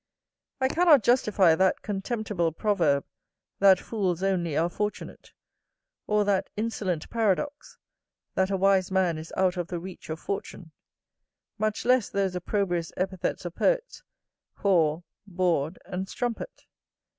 I cannot justify that contemptible proverb, that "fools only are fortunate;" or that insolent paradox, that "a wise man is out of the reach of fortune;" much less those opprobrious epithets of poets, "whore," "bawd," and "strumpet."